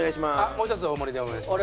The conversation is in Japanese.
もう一つ大盛りでお願いします。